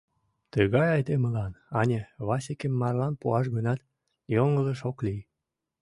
Тыгай айдемылан, ане, Васикым марлан пуаш гынат, йоҥылыш ок лий.